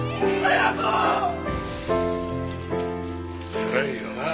つらいよなあ